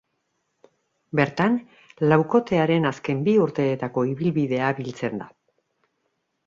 Bertan, laukotearen azken bi urteetako ibilbidea biltzen da.